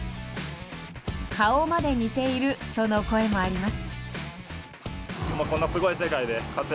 顔まで似ているとの声もあります。